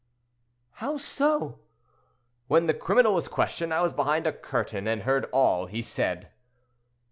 "How so?" "When the criminal was questioned, I was behind a curtain and heard all he said."